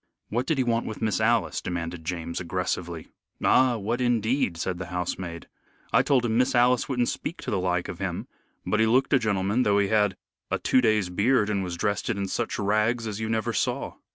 "What did he want with Miss Alice?" demanded James, aggressively. "Ah, what indeed!" said the housemaid. "I told him Miss Alice wouldn't speak to the like of him. But he looked a gentleman, though he had a two days' beard and was dressed in such rags as you never saw."